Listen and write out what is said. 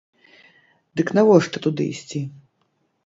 Дык навошта туды ісці?